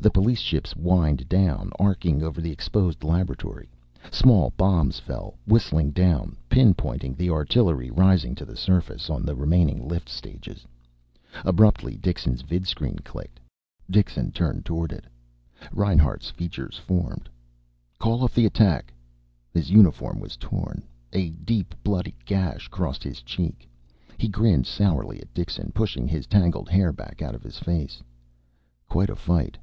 The police ships whined down, arcing over the exposed laboratory. Small bombs fell, whistling down, pin pointing the artillery rising to the surface on the remaining lift stages. Abruptly Dixon's vidscreen clicked. Dixon turned toward it. Reinhart's features formed. "Call off the attack." His uniform was torn. A deep bloody gash crossed his cheek. He grinned sourly at Dixon, pushing his tangled hair back out of his face. "Quite a fight."